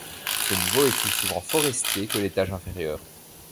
Ce niveau est plus souvent forestier que l'étage inférieur.